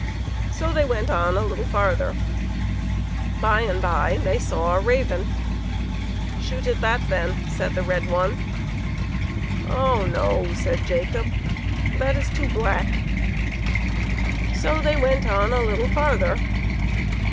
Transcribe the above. So they went on a little farther. By and by they saw a raven. " Shoot at that, then," said the red one. "Oh no," said Jacob, "that is too black." So they went on a little farther.